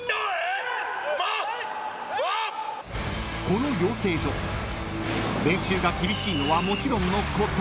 ［この養成所練習が厳しいのはもちろんのこと